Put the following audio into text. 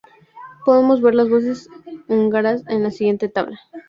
Podemos ver las vocales húngaras en la siguiente tabla.